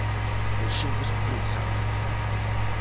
Os xoves pensamos.